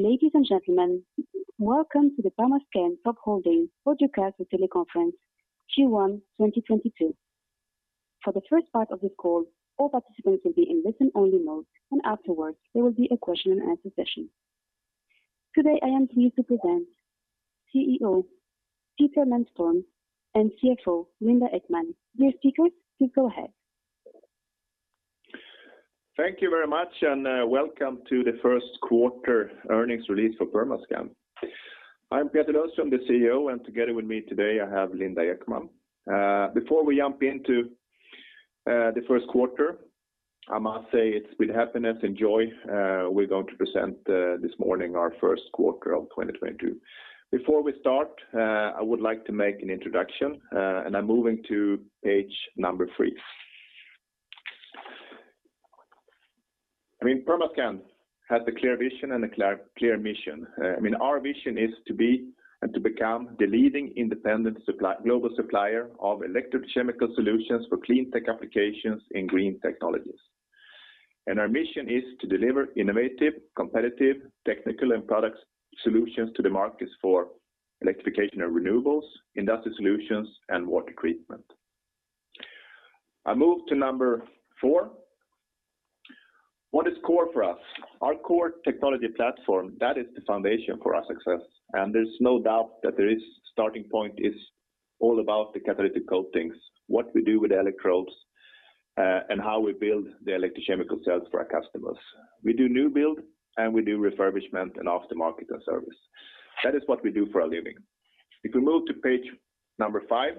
Ladies and gentlemen, welcome to the Permascand Top Holding Podcast and Teleconference Q1 2022. For the first part of this call, all participants will be in listen-only mode, and afterwards there will be a question and answer session. Today, I am pleased to present CEO Peter Lundström and CFO Linda Ekman. Dear speakers, please go ahead. Thank you very much, and welcome to the first quarter earnings release for Permascand. I'm Peter Lundström, the CEO, and together with me today I have Linda Ekman. Before we jump into the first quarter, I must say it's with happiness and joy, we're going to present this morning our first quarter of 2022. Before we start, I would like to make an introduction, and I'm moving to page number three. I mean, Permascand has a clear vision and a clear mission. I mean, our vision is to be and to become the leading independent global supplier of electrochemical solutions for clean tech applications in green technologies. Our mission is to deliver innovative, competitive, technical and product solutions to the markets for Electrification & Renewables, Industrial Solutions and Water Treatment. I move to number four. What is core for us? Our core technology platform, that is the foundation for our success. There's no doubt that the starting point is all about the catalytic coatings, what we do with electrodes, and how we build the electrochemical cells for our customers. We do new build and we do refurbishment and aftermarket and service. That is what we do for a living. If we move to page number five.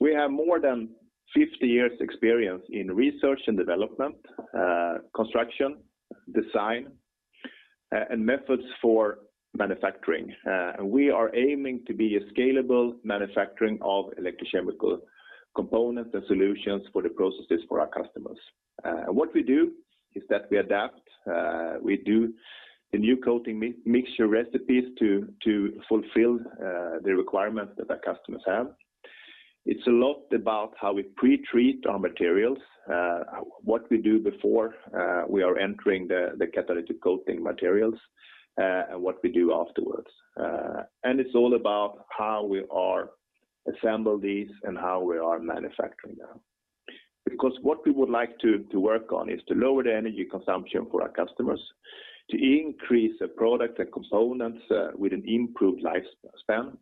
We have more than 50 years experience in research and development, construction, design, and methods for manufacturing. We are aiming to be a scalable manufacturing of electrochemical components and solutions for the processes for our customers. What we do is that we adapt. We do the new coating mixture recipes to fulfill the requirements that our customers have. It's a lot about how we pre-treat our materials, what we do before we are entering the catalytic coating materials, and what we do afterwards. It's all about how we are assemble these and how we are manufacturing them. Because what we would like to work on is to lower the energy consumption for our customers, to increase the product and components with an improved lifespan,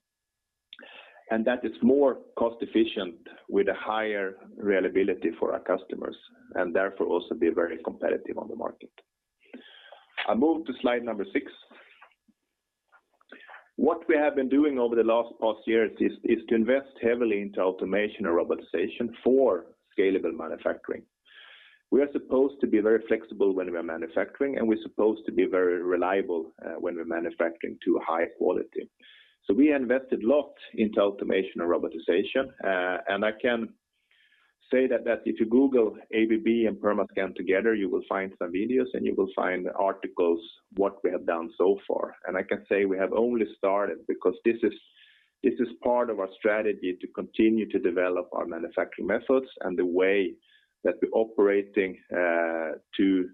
and that is more cost efficient with a higher reliability for our customers, and therefore also be very competitive on the market. I move to slide number six. What we have been doing over the last past years is to invest heavily into automation and robotization for scalable manufacturing. We are supposed to be very flexible when we are manufacturing, and we're supposed to be very reliable when we're manufacturing to a high quality. We invested a lot into automation and robotization. I can say that if you Google ABB and Permascand together, you will find some videos and you will find articles what we have done so far. I can say we have only started because this is part of our strategy to continue to develop our manufacturing methods and the way that we're operating to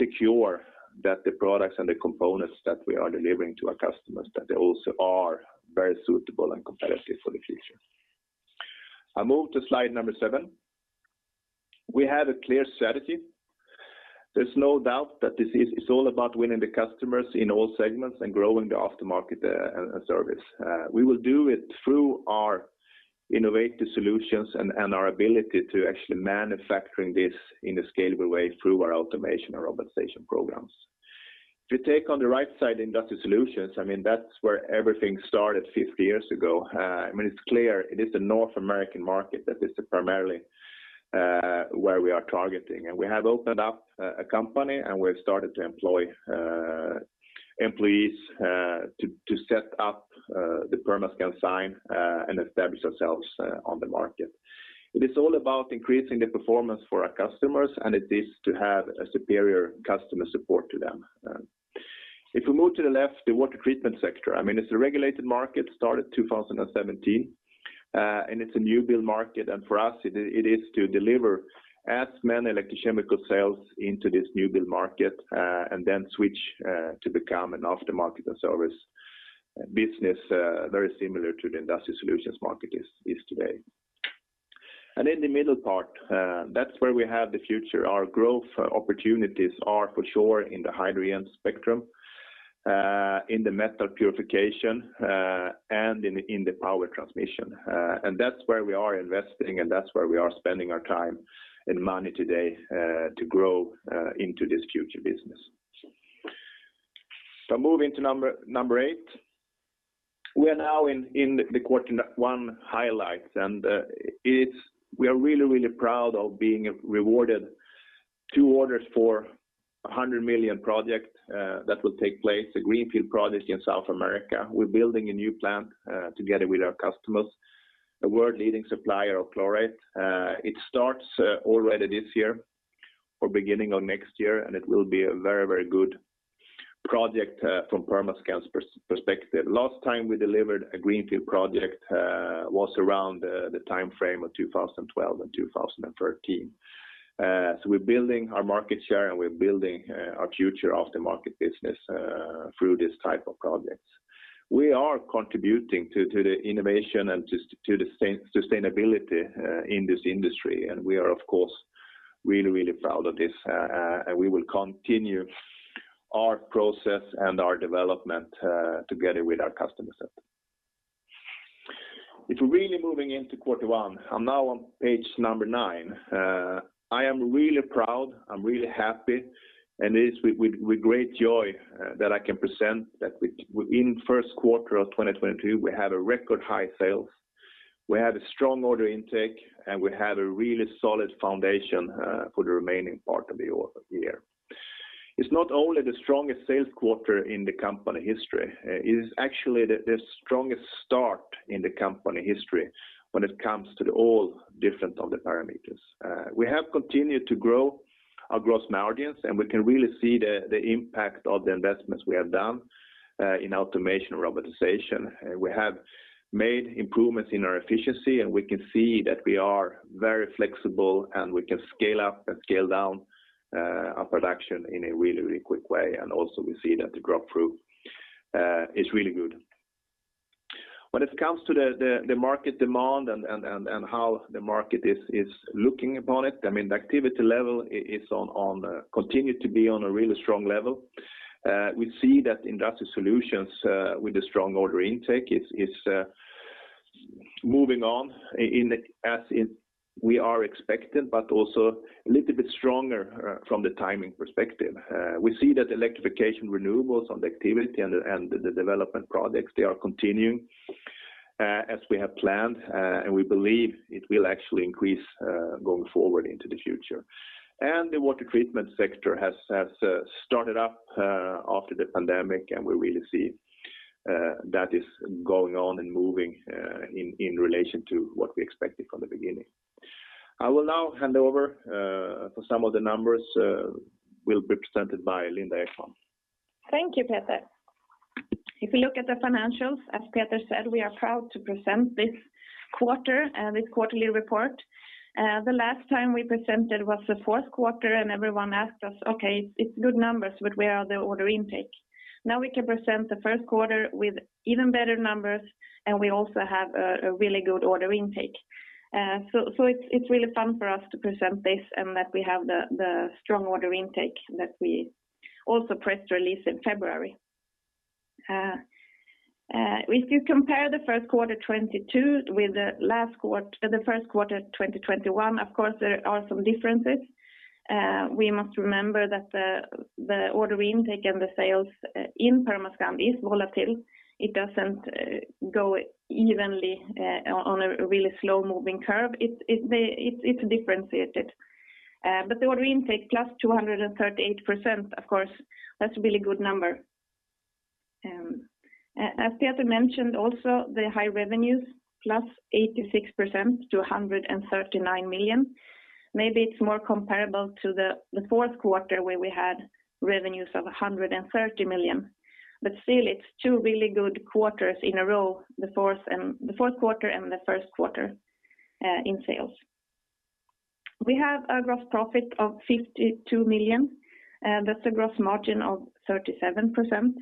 secure that the products and the components that we are delivering to our customers, that they also are very suitable and competitive for the future. I move to slide number seven. We have a clear strategy. There's no doubt that this is. It's all about winning the customers in all segments and growing the aftermarket and service. We will do it through our innovative solutions and our ability to actually manufacturing this in a scalable way through our automation and robotization programs. If you take on the right side Industrial Solutions, I mean, that's where everything started 50 years ago. I mean, it's clear it is the North American market that is primarily where we are targeting. We have opened up a company, and we've started to employ employees to set up the Permascand site and establish ourselves on the market. It is all about increasing the performance for our customers, and it is to have a superior customer support to them. If we move to the left, the Water Treatment sector, I mean, it's a regulated market, started 2017, and it's a new build market. For us it is to deliver as many electrochemical cells into this new build market, and then switch to become an aftermarket and service business, very similar to the Industrial Solutions market is today. In the middle part, that's where we have the future. Our growth opportunities are for sure in the hydrogen spectrum, in the metal purification, and in the power transmission. And that's where we are investing and that's where we are spending our time and money today to grow into this future business. Moving to number eight. We are now in the quarter one highlights, and we are really, really proud of being awarded two orders for a 100 million project that will take place, a greenfield project in South America. We're building a new plant together with our customers, a world-leading supplier of chlorate. It starts already this year or beginning of next year, and it will be a very good project from Permascand's perspective. Last time we delivered a greenfield project was around the timeframe of 2012 and 2013. We're building our market share, and we're building our future aftermarket business through this type of projects. We are contributing to the innovation and to the sustainability in this industry, and we are, of course, really proud of this. We will continue our process and our development together with our customer set. If we're really moving into quarter one, I'm now on page number nine. I am really proud. I'm really happy, and it is with great joy that I can present that we in the first quarter of 2022 had a record high sales. We had a strong order intake, and we had a really solid foundation for the remaining part of the year. It's not only the strongest sales quarter in the company history. It is actually the strongest start in the company history when it comes to all the different parameters. We have continued to grow our gross margins, and we can really see the impact of the investments we have done in automation robotization. We have made improvements in our efficiency, and we can see that we are very flexible, and we can scale up and scale down our production in a really quick way. Also we see that the growth proof is really good. When it comes to the market demand and how the market is looking upon it, I mean, the activity level continued to be on a really strong level. We see that Industrial Solutions with the strong order intake is moving on as we are expected, but also a little bit stronger from the timing perspective. We see that Electrification & Renewables on the activity and the development projects, they are continuing as we have planned, and we believe it will actually increase going forward into the future. The Water Treatment sector has started up after the pandemic, and we really see that is going on and moving in relation to what we expected from the beginning. I will now hand over for some of the numbers will be presented by Linda Ekman. Thank you, Peter. If you look at the financials, as Peter said, we are proud to present this quarterly report. The last time we presented was the fourth quarter, and everyone asked us, "Okay, it's good numbers, but where are the order intake?" Now we can present the first quarter with even better numbers, and we also have a really good order intake. So it's really fun for us to present this and that we have the strong order intake that we also press release in February. If you compare the first quarter 2022 with the first quarter 2021, of course, there are some differences. We must remember that the order intake and the sales in Permascand is volatile. It doesn't go evenly on a really slow-moving curve. It's differentiated. The order intake +238%, of course, that's a really good number. As Peter mentioned also, the higher revenues +86% to 139 million. Maybe it's more comparable to the fourth quarter where we had revenues of 130 million. Still it's two really good quarters in a row, the fourth quarter and the first quarter, in sales. We have a gross profit of 52 million, and that's a gross margin of 37%.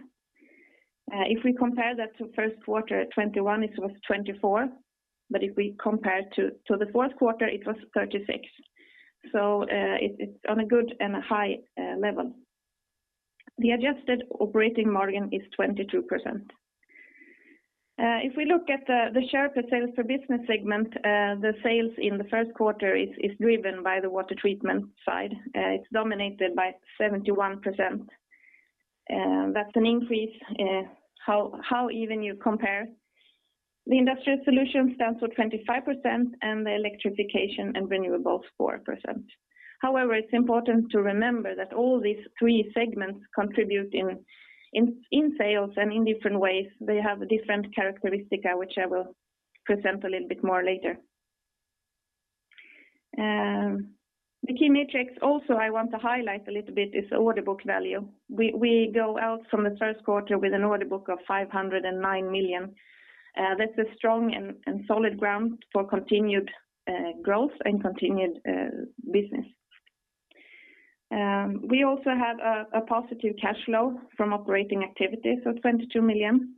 If we compare that to first quarter 2021, it was 24%. If we compare to the fourth quarter, it was 36%. It's on a good and a high level. The adjusted operating margin is 22%. If we look at the share per sales per business segment, the sales in the first quarter is driven by the Water Treatment side. It's dominated by 71%. That's an increase, however you compare. The Industrial Solutions stands for 25%, and the Electrification & Renewables, 4%. However, it's important to remember that all these three segments contribute in sales and in different ways. They have different characteristic, which I will present a little bit more later. The key metrics also I want to highlight a little bit is order backlog value. We go out from the first quarter with an order backlog of 509 million. That's a strong and solid ground for continued growth and continued business. We also have a positive cash flow from operating activities of 22 million.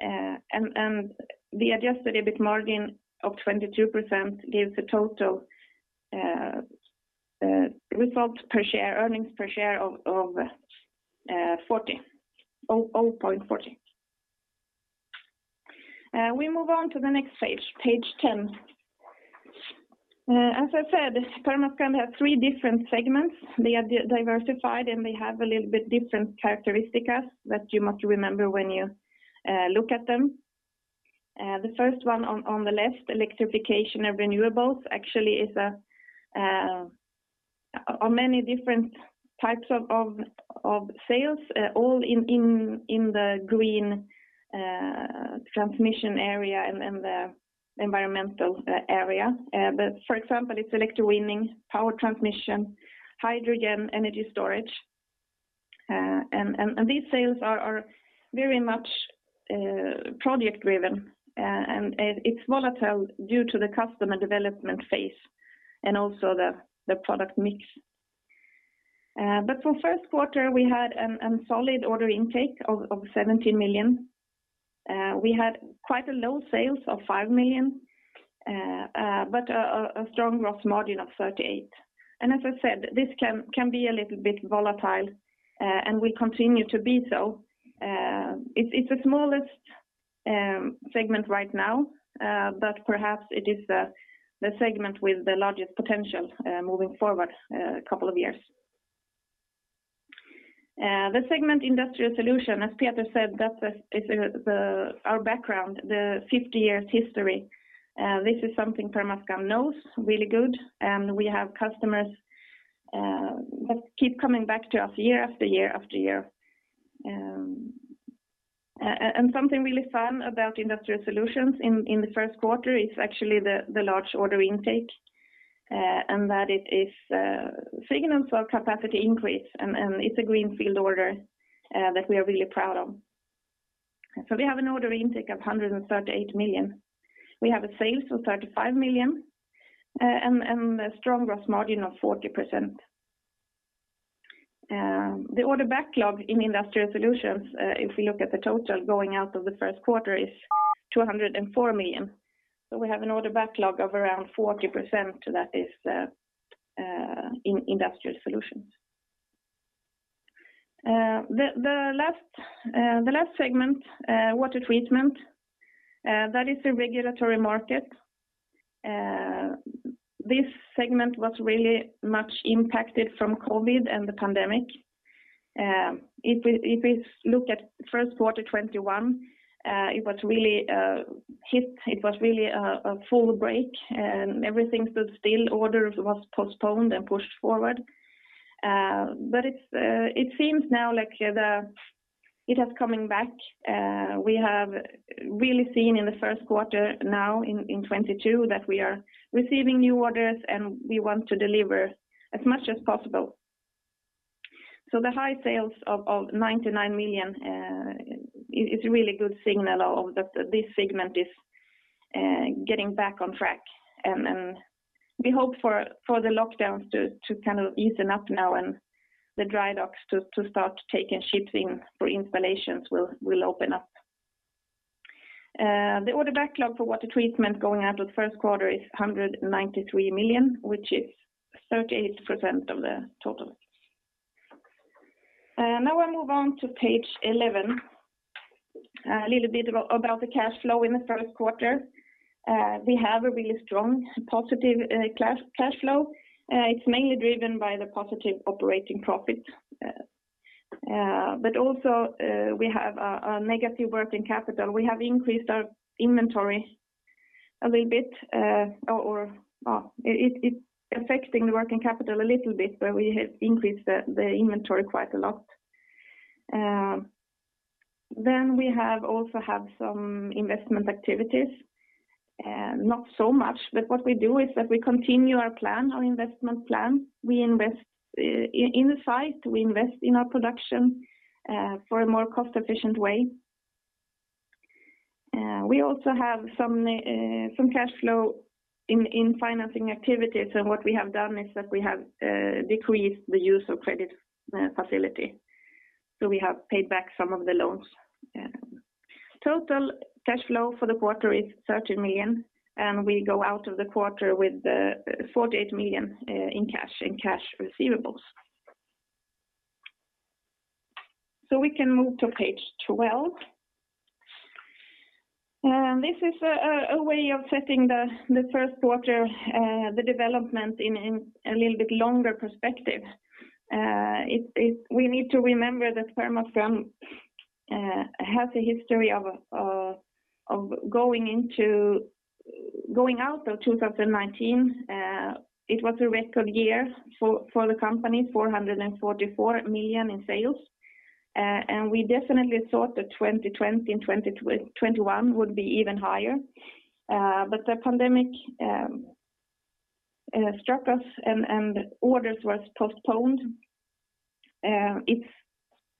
The adjusted EBIT margin of 22% gives a total result per share, earnings per share of 0.40. We move on to the next page 10. As I said, Permascand has three different segments. They are diversified, and they have a little bit different characteristics that you must remember when you look at them. The first one on the left, Electrification & Renewables, actually is on many different types of sales, all in the green transmission area and the environmental area. For example, it's electrowinning, power transmission, hydrogen energy storage. These sales are very much project driven, and it's volatile due to the customer development phase and also the product mix. For first quarter, we had solid order intake of 17 million. We had quite a low sales of 5 million, but a strong gross margin of 38%. As I said, this can be a little bit volatile, and will continue to be so. It's the smallest segment right now, but perhaps it is the segment with the largest potential moving forward couple of years. The segment Industrial Solutions, as Peter said, that's our background, the 50 years history. This is something Permascand knows really good, and we have customers that keep coming back to us year after year after year. And something really fun about Industrial Solutions in the first quarter is actually the large order intake, and that it is a signal for capacity increase and it's a greenfield order that we are really proud of. We have an order intake of 138 million. We have sales of 35 million, and a strong gross margin of 40%. The order backlog in Industrial Solutions, if we look at the total going out of the first quarter is 204 million. We have an order backlog of around 40% that is in Industrial Solutions. The last segment, Water Treatment, that is a regulatory market. This segment was really much impacted from COVID and the pandemic. If we look at first quarter 2021, it was really a hit. It was really a full break, and everything stood still. Orders was postponed and pushed forward. It seems now like it's coming back. We have really seen in the first quarter now in 2022 that we are receiving new orders, and we want to deliver as much as possible. The high sales of 99 million is a really good signal of that this segment is getting back on track. We hope for the lockdowns to kind of ease up now and the dry docks to start taking ships in for installations, which will open up. The order backlog for Water Treatment going out of the first quarter is 193 million, which is 38% of the total. Now I move on to page 11. A little bit about the cash flow in the first quarter. We have a really strong positive cash flow. It's mainly driven by the positive operating profit. But also, we have a negative working capital. We have increased our inventory a little bit, or it's affecting the working capital a little bit, but we have increased the inventory quite a lot. We also have some investment activities, not so much, but what we do is that we continue our plan, our investment plan. We invest in the site, we invest in our production for a more cost-efficient way. We also have some cash flow in financing activities, and what we have done is that we have decreased the use of credit facility. We have paid back some of the loans. Total cash flow for the quarter is 30 million, and we go out of the quarter with 48 million in cash, in cash receivables. We can move to page 12. This is a way of setting the first quarter, the development in a little bit longer perspective. We need to remember that Permascand has a history of going out of 2019. It was a record year for the company, 444 million in sales. We definitely thought that 2020 and 2021 would be even higher. The pandemic struck us and orders were postponed. It's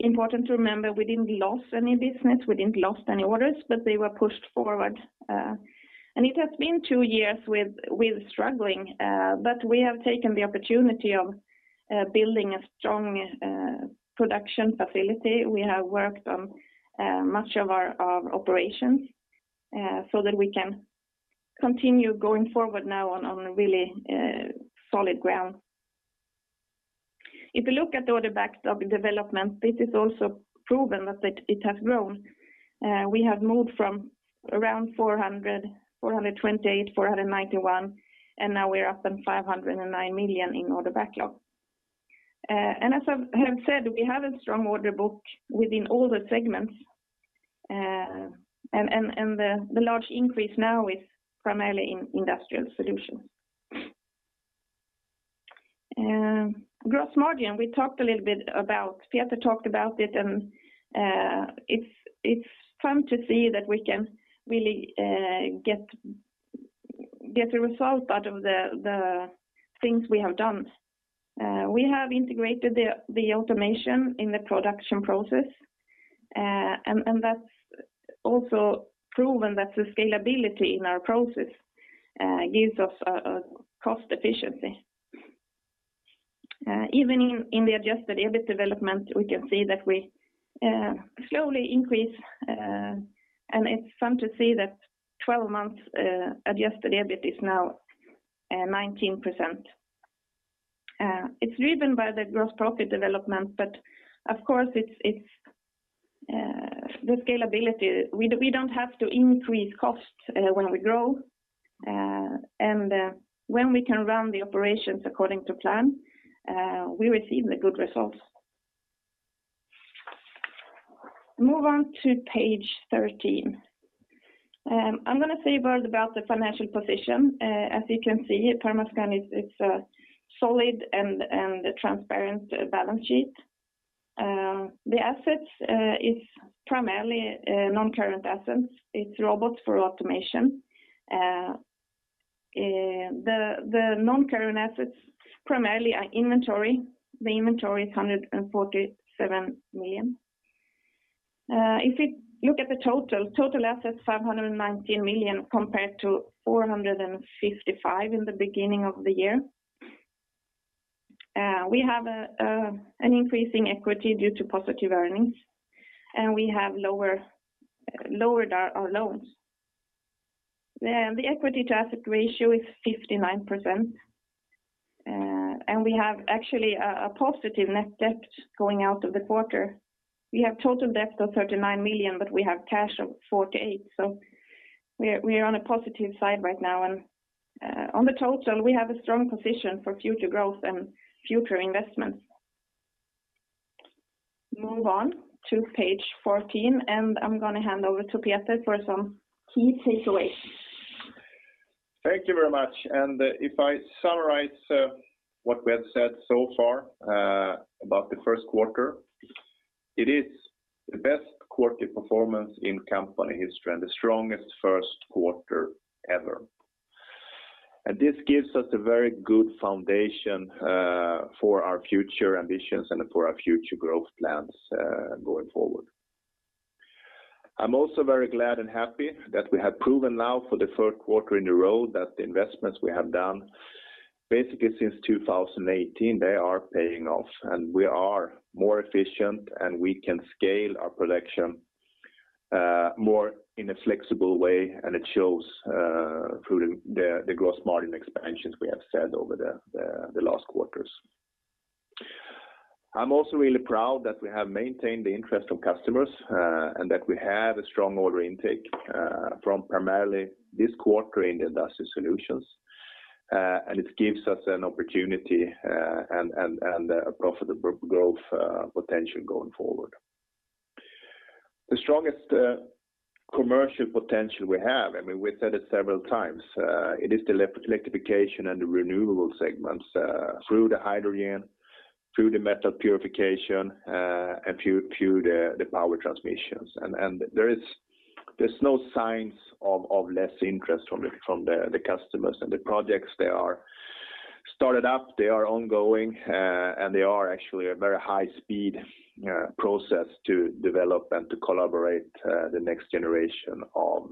important to remember we didn't lose any business, we didn't lose any orders, but they were pushed forward. It has been two years with struggling, but we have taken the opportunity of building a strong production facility. We have worked on much of our operations, so that we can continue going forward now on a really solid ground. If you look at the order backlog development, this is also proven that it has grown. We have moved from around 400 million, 428 million, 491 million, and now we're up on 509 million in order backlog. And as I have said, we have a strong order book within all the segments. And the large increase now is primarily in Industrial Solutions. Gross margin, we talked a little bit about, Peter talked about it, and it's fun to see that we can really get a result out of the things we have done. We have integrated the automation in the production process, and that's also proven that the scalability in our process gives us a cost efficiency. Even in the adjusted EBIT development, we can see that we slowly increase, and it's fun to see that 12 months adjusted EBIT is now 19%. It's driven by the gross profit development, but of course, it's the scalability. We don't have to increase costs when we grow. When we can run the operations according to plan, we receive the good results. Move on to page 13. I'm gonna say a word about the financial position. As you can see, Permascand is a solid and a transparent balance sheet. The assets is primarily non-current assets. It's robots for automation. The non-current assets primarily are inventory. The inventory is 147 million. If you look at the total assets 519 million compared to 455 million in the beginning of the year. We have an increasing equity due to positive earnings, and we have lowered our loans. The equity to asset ratio is 59%, and we have actually a positive net debt going out of the quarter. We have total debt of 39 million, but we have cash of 48 million, so we are on a positive side right now. On the total, we have a strong position for future growth and future investments. Move on to page 14, and I'm gonna hand over to Peter for some key takeaways. Thank you very much. If I summarize what we have said so far about the first quarter, it is the best quarter performance in company history and the strongest first quarter ever. This gives us a very good foundation for our future ambitions and for our future growth plans going forward. I'm also very glad and happy that we have proven now for the third quarter in a row that the investments we have done basically since 2018, they are paying off, and we are more efficient, and we can scale our production more in a flexible way. It shows through the gross margin expansions we have said over the last quarters. I'm also really proud that we have maintained the interest of customers, and that we have a strong order intake, from primarily this quarter in the Industrial Solutions. It gives us an opportunity, and a profitable growth potential going forward. The strongest commercial potential we have, I mean, we've said it several times, it is the electrification and the renewable segments, through the hydrogen, through the metal purification, and through the power transmission. There's no signs of less interest from the customers. The projects, they are started up, they are ongoing, and they are actually a very high speed process to develop and to collaborate, the next generation of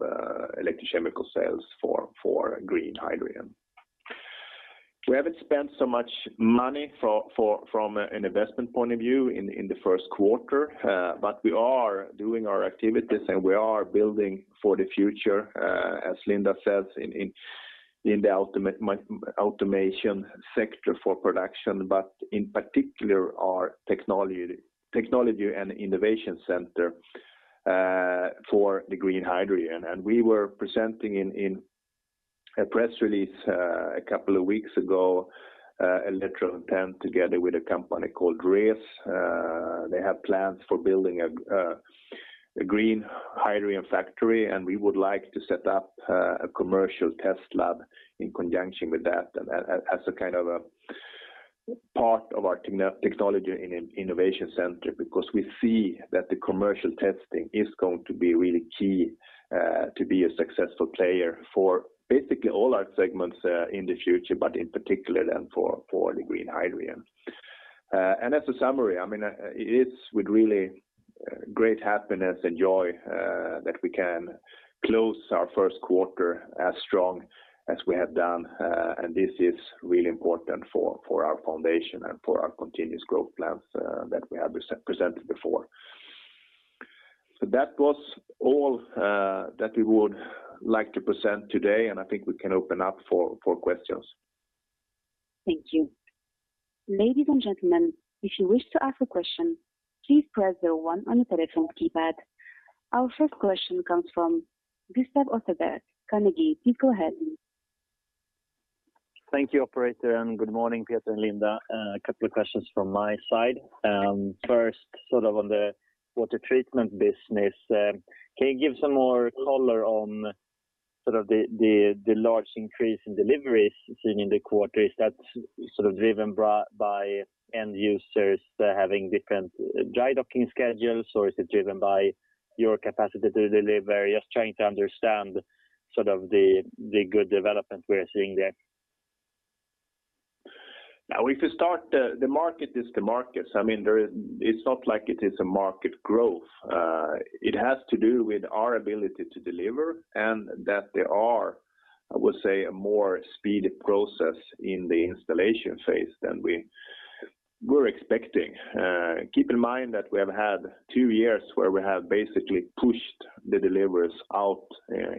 electrochemical cells for green hydrogen. We haven't spent so much money from an investment point of view in the first quarter, but we are doing our activities, and we are building for the future, as Linda says, in the ultimate automation sector for production, but in particular our technology and innovation center for the green hydrogen. We were presenting in a press release a couple of weeks ago an intent together with a company called RES. They have plans for building a green hydrogen factory, and we would like to set up a commercial test lab in conjunction with that as a kind of a part of our technology and innovation center because we see that the commercial testing is going to be really key to be a successful player for basically all our segments in the future, but in particular then for the green hydrogen. As a summary, I mean, it is with really great happiness and joy that we can close our first quarter as strong as we have done. This is really important for our foundation and for our continuous growth plans that we have presented before. That was all that we would like to present today, and I think we can open up for questions. Thank you. Ladies and gentlemen, if you wish to ask a question, please press the one on your telephone keypad. Our first question comes from [Gustav Ottosson], Carnegie. Please go ahead. Thank you, operator, and good morning, Peter and Linda. A couple of questions from my side. First, sort of on the Water Treatment business, can you give some more color on sort of the large increase in deliveries seen in the quarter, is that sort of driven by end users that are having different dry docking schedules, or is it driven by your capacity to deliver? Just trying to understand sort of the good development we are seeing there. Now, if you start, the market is the market. I mean, there is. It's not like it is a market growth. It has to do with our ability to deliver and that there are, I would say, a more speedy process in the installation phase than we were expecting. Keep in mind that we have had two years where we have basically pushed the deliveries out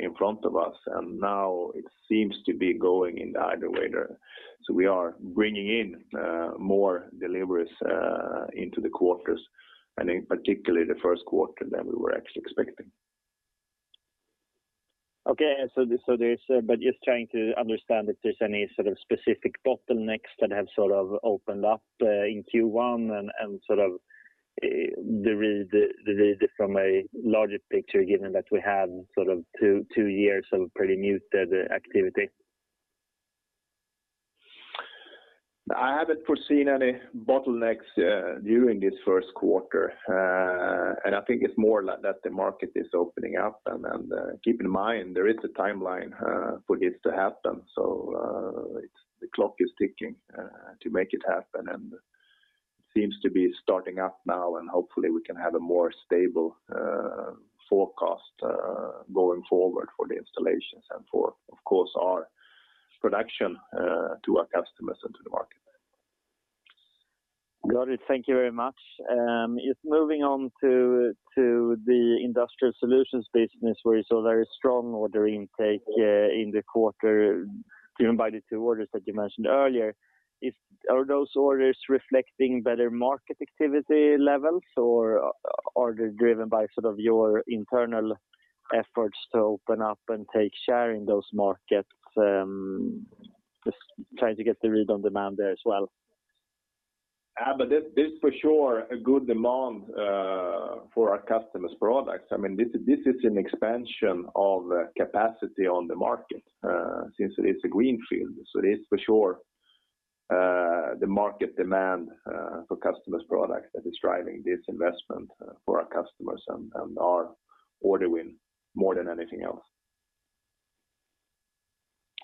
in front of us, and now it seems to be going in the other way there. We are bringing in more deliveries into the quarters, and in particular the first quarter than we were actually expecting. Just trying to understand if there's any sort of specific bottlenecks that have sort of opened up in Q1 and sort of the read from a larger picture, given that we had sort of two years of pretty muted activity. I haven't foreseen any bottlenecks during this first quarter. I think it's more like that the market is opening up. Keep in mind, there is a timeline for this to happen. The clock is ticking to make it happen. It seems to be starting up now, and hopefully we can have a more stable forecast going forward for the installations and for, of course, our production to our customers and to the market. Got it. Thank you very much. Just moving on to the Industrial Solutions business where you saw very strong order intake in the quarter driven by the two orders that you mentioned earlier. Are those orders reflecting better market activity levels, or are they driven by sort of your internal efforts to open up and take share in those markets? Just trying to get the read on demand there as well. There's for sure a good demand for our customers' products. I mean, this is an expansion of capacity on the market, since it is a greenfield. It is for sure the market demand for customers' products that is driving this investment for our customers and our order win more than anything else.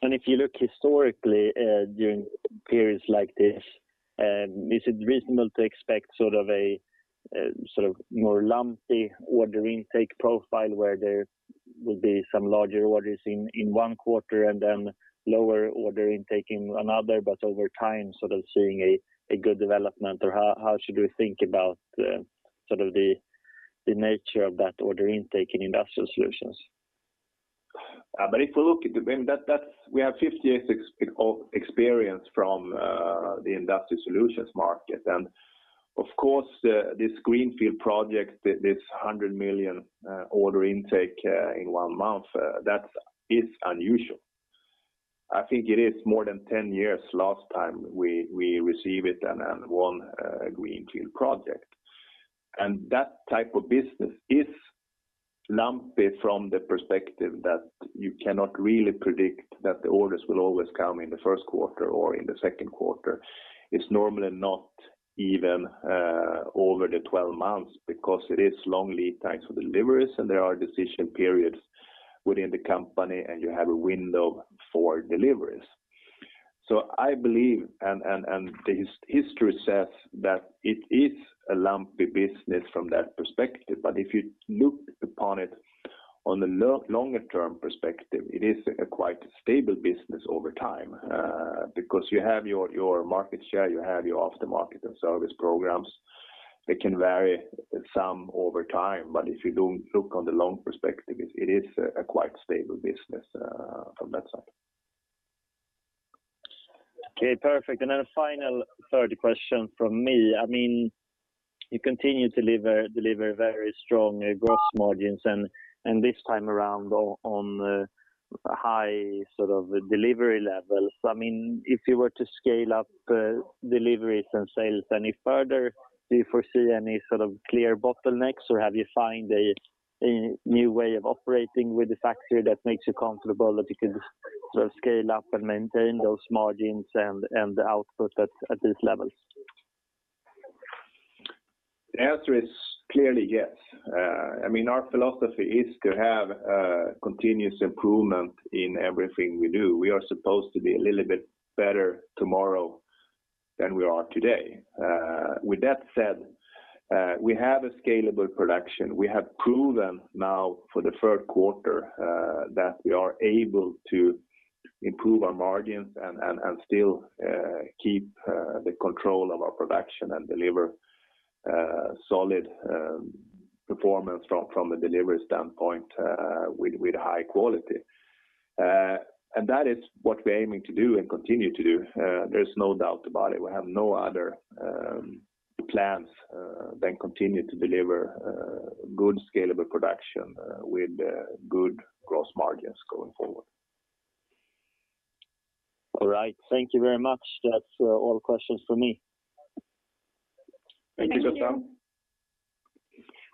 If you look historically, during periods like this, is it reasonable to expect sort of a more lumpy order intake profile where there will be some larger orders in one quarter and then lower order intake in another, but over time, sort of seeing a good development? Or how should we think about sort of the nature of that order intake in Industrial Solutions? If you look at the—I mean, that's. We have 50 years experience from the Industrial Solutions market. Of course, this greenfield project, this 100 million order intake in one month, that is unusual. I think it is more than 10 years last time we received it and won a greenfield project. That type of business is lumpy from the perspective that you cannot really predict that the orders will always come in the first quarter or in the second quarter. It's normally not even over the 12 months because it is long lead times for deliveries, and there are decision periods within the company, and you have a window for deliveries. I believe, and the history says that it is a lumpy business from that perspective. If you look upon it on a longer term perspective, it is a quite stable business over time, because you have your market share, you have your after-market and service programs. It can vary some over time. If you don't look on the long perspective, it is a quite stable business from that side. Okay, perfect. A final third question from me. I mean, you continue to deliver very strong gross margins and this time around on high sort of delivery levels. I mean, if you were to scale up deliveries and sales any further, do you foresee any sort of clear bottlenecks, or have you find a new way of operating with the factory that makes you comfortable that you can sort of scale up and maintain those margins and the output at these levels? The answer is clearly yes. I mean, our philosophy is to have continuous improvement in everything we do. We are supposed to be a little bit better tomorrow than we are today. With that said, we have a scalable production. We have proven now for the third quarter that we are able to improve our margins and still keep the control of our production and deliver solid performance from the delivery standpoint with high quality. And that is what we're aiming to do and continue to do. There's no doubt about it. We have no other plans than continue to deliver good scalable production with good gross margins going forward. All right. Thank you very much. That's all questions for me. Thank you, [Gustav].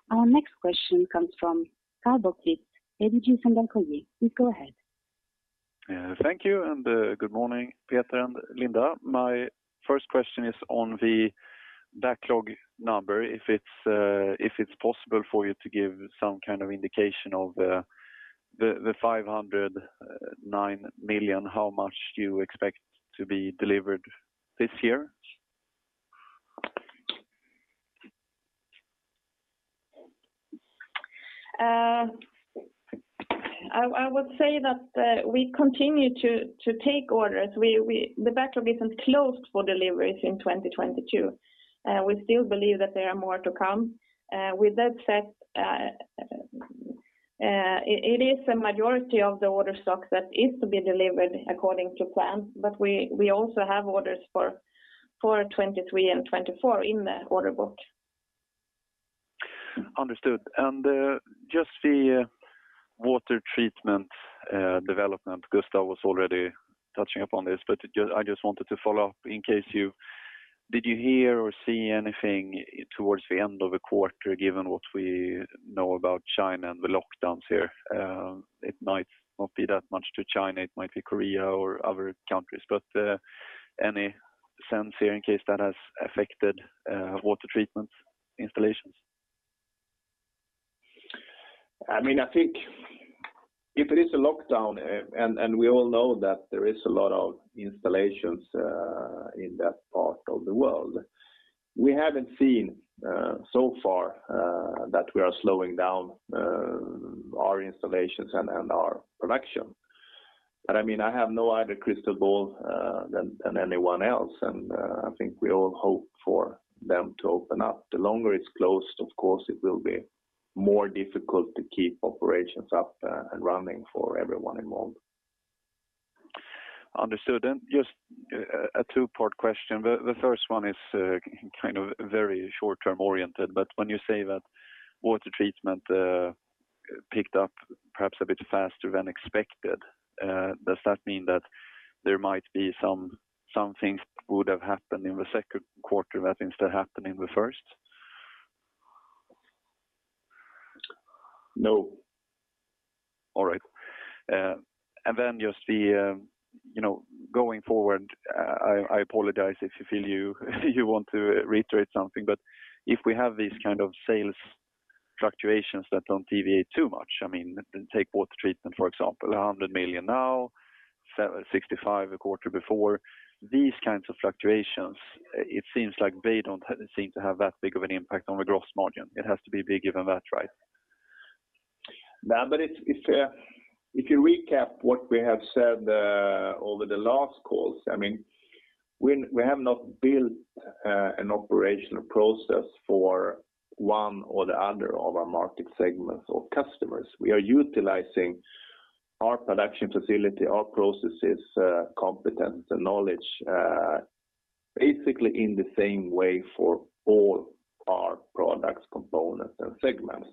Our next question comes from Karl Bokvist, ABG Sundal Collier. Please go ahead. Thank you, good morning, Peter and Linda. My first question is on the backlog number. If it's possible for you to give some kind of indication of the 509 million, how much do you expect to be delivered this year? I would say that we continue to take orders. The backlog isn't closed for deliveries in 2022. We still believe that there are more to come. With that said, it is a majority of the order backlog that is to be delivered according to plan, but we also have orders for 2023 and 2024 in the order book. Understood. Just the water treatment development. Gustav was already touching upon this, but I just wanted to follow up. Did you hear or see anything toward the end of the quarter, given what we know about China and the lockdowns here? It might not be that much to China, it might be Korea or other countries. Any sense here in case that has affected water treatment installations? I mean, I think if it is a lockdown, and we all know that there is a lot of installations in that part of the world we haven't seen so far, that we are slowing down our installations and our production. I mean, I have no other crystal ball than anyone else, and I think we all hope for them to open up. The longer it's closed, of course, it will be more difficult to keep operations up and running for everyone involved. Understood. Just a two-part question. The first one is kind of very short-term oriented, but when you say that Water Treatment picked up perhaps a bit faster than expected, does that mean that there might be some things would have happened in the second quarter that instead happened in the first? No. All right. Just the, you know, going forward, I apologize if you feel you want to reiterate something, but if we have these kind of sales fluctuations that don't deviate too much, I mean, take water treatment, for example, 100 million now, 65 a quarter before, these kinds of fluctuations, it seems like they don't seem to have that big of an impact on the gross margin. It has to be big, given that, right? No, but if you recap what we have said over the last calls, I mean, we have not built an operational process for one or the other of our market segments or customers. We are utilizing our production facility, our processes, competence and knowledge basically in the same way for all our products, components and segments.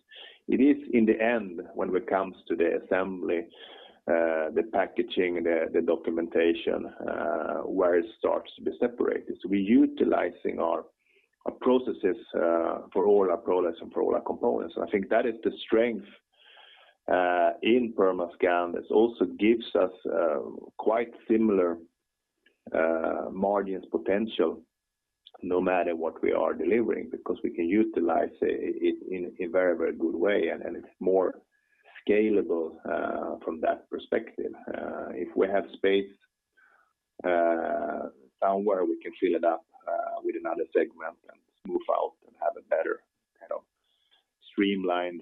It is in the end, when it comes to the assembly, the packaging, the documentation, where it starts to be separated. We're utilizing our processes for all our products and for all our components. I think that is the strength in Permascand. This also gives us quite similar margins potential no matter what we are delivering, because we can utilize it in very good way, and it's more scalable from that perspective. If we have space somewhere, we can fill it up with another segment and smooth out and have a better, you know, streamlined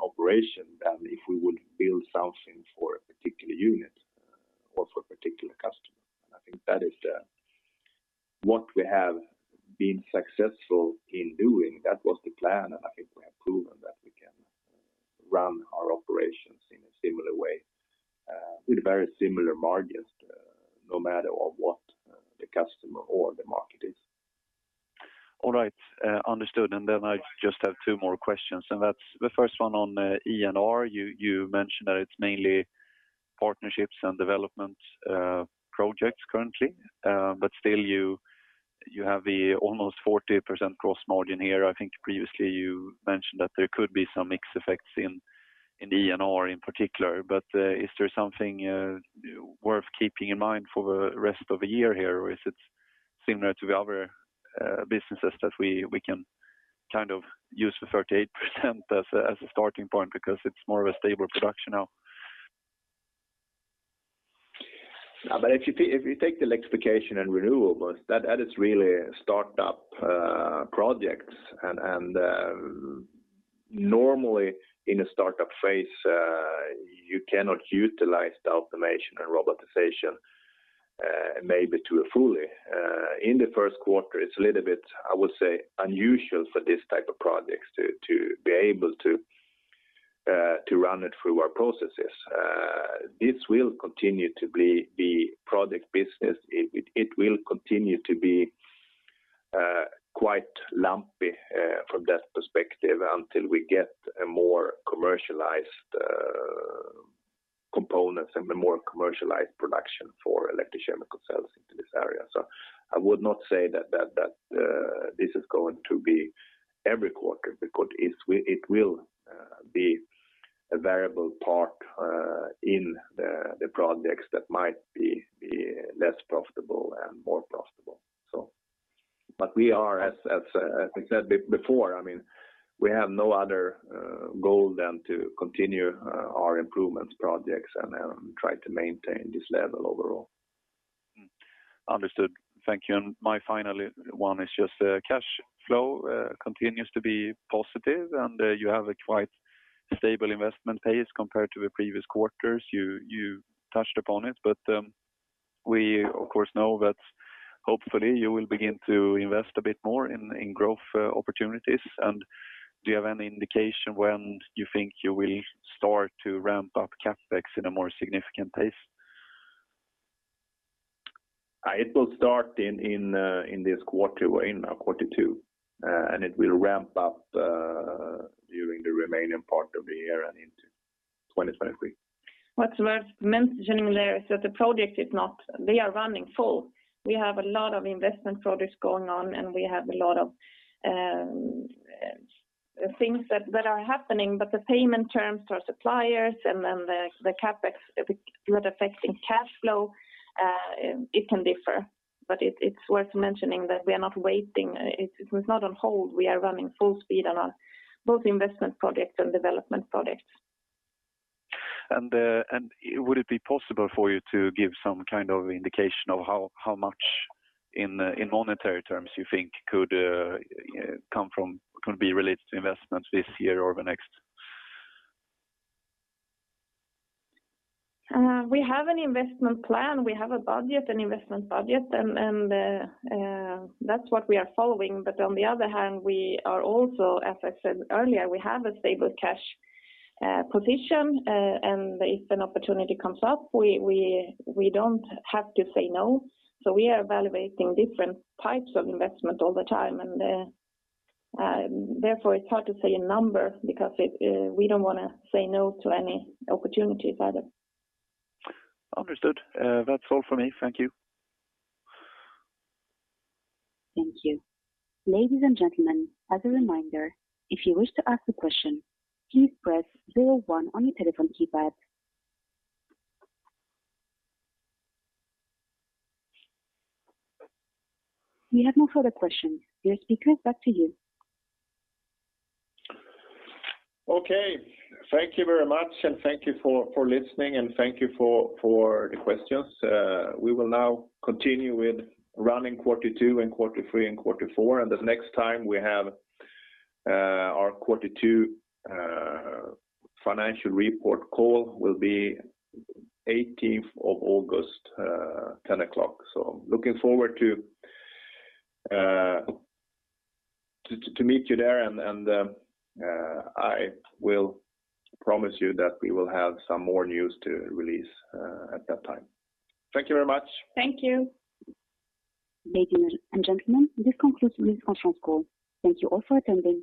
operation than if we would build something for a particular unit or for a particular customer. I think that is what we have been successful in doing. That was the plan, and I think we have proven that we can run our operations in a similar way with very similar margins no matter what the customer or the market is. All right. Understood. I just have two more questions, and that's the first one on E&R. You mentioned that it's mainly partnerships and development projects currently. Still you have the almost 40% gross margin here. I think previously you mentioned that there could be some mix effects in E&R in particular. Is there something worth keeping in mind for the rest of the year here, or is it similar to the other businesses that we can kind of use the 38% as a starting point because it's more of a stable production now? If you take the Electrification & Renewables, that is really startup projects. Normally in a startup phase, you cannot utilize the automation and robotization maybe to a fully. In the first quarter, it's a little bit, I would say, unusual for these type of projects to be able to run it through our processes. This will continue to be the project business. It will continue to be quite lumpy from that perspective until we get a more commercialized components and a more commercialized production for electrochemical sales into this area. I would not say that this is going to be every quarter because it will be a variable part in the projects that might be less profitable and more profitable. We are as I said before, I mean, we have no other goal than to continue our improvements projects and try to maintain this level overall. Mm-hmm. Understood. Thank you. My final one is just cash flow continues to be positive, and you have a quite stable investment pace compared to the previous quarters. You touched upon it, but we of course know that hopefully you will begin to invest a bit more in growth opportunities. Do you have any indication when you think you will start to ramp up CapEx in a more significant pace? It will start in this quarter two. It will ramp up during the remaining part of the year and into 2023. What's worth mentioning there is that they are running full. We have a lot of investment projects going on, and we have a lot of things that are happening. The payment terms to our suppliers and then the CapEx that would affect in cash flow, it can differ. It's worth mentioning that we are not waiting. It was not on hold. We are running full speed on both our investment projects and development projects. Would it be possible for you to give some kind of indication of how much in monetary terms you think could be related to investments this year or the next? We have an investment plan. We have a budget, an investment budget, and that's what we are following. On the other hand, we are also, as I said earlier, we have a stable cash position. If an opportunity comes up, we don't have to say no. We are evaluating different types of investment all the time. Therefore, it's hard to say a number because we don't wanna say no to any opportunities either. Understood. That's all for me. Thank you. Thank you. Ladies and gentlemen, as a reminder, if you wish to ask a question, please press zero one on your telephone keypad. We have no further questions. Dear speakers, back to you. Okay. Thank you very much, and thank you for listening, and thank you for the questions. We will now continue with running quarter two and quarter three and quarter four. The next time we have our quarter two financial report call will be 18th of August 10:00 A.M. Looking forward to meet you there and I will promise you that we will have some more news to release at that time. Thank you very much. Thank you. Ladies and gentlemen, this concludes this conference call. Thank you all for attending.